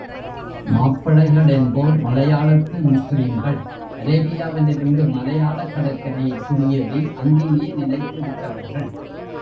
மாப்பிள்ளைகளென்போர் மலையாளத்து முஸ்லீம்கள், அரேபியாவிலிருந்து மலையாளக்கடற்கரையில் குடியேறி அங்கேயே நிலைத்துவிட்டவர்கள்.